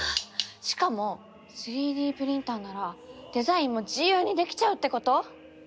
しかも３Ｄプリンターならデザインも自由にできちゃうってこと？